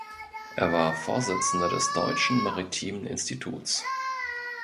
Er war Vorsitzender des Deutschen Maritimen Instituts.